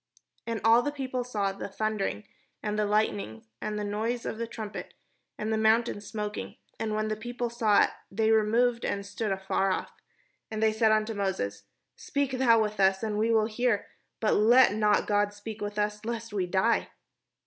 And all the people saw the thunderings, and the light nings, and the noise of the trumpet, and the mountain smoking: and when the people saw it, they removed, and stood afar off. And they said unto Moses: " Speak thou with us, and we will hear: but let not God speak with us, lest we die."